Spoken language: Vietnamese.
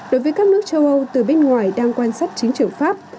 đối với các nước châu âu từ bên ngoài đang quan sát chiến trường pháp